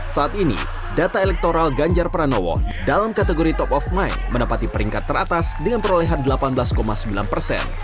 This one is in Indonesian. saat ini data elektoral ganjar pranowo dalam kategori top of mind menempati peringkat teratas dengan perolehan delapan belas sembilan persen